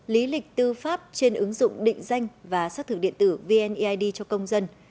lý lịch tư pháp trên ứng dụng định danh và xác thử điện tử vneid cho công dân